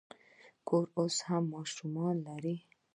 کورنۍ اوس کم ماشومان لري.